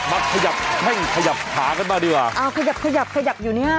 มาขยับแข้งขยับขากันมาดีกว่าอ้าวขยับขยับขยับอยู่เนี้ย